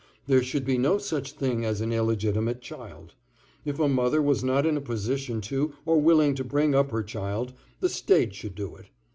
There should be no such thing as an illegitimate child. If a mother was not in a position to or willing to bring up her child, the State should do it.